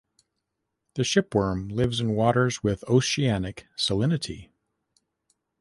The shipworm lives in waters with oceanic salinity.